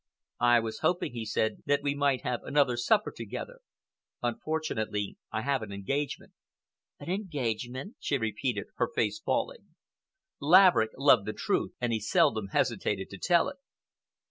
"I was hoping," he said, "that we might have another supper together. Unfortunately, I have an engagement." "An engagement?" she repeated, her face falling. Laverick loved the truth and he seldom hesitated to tell it.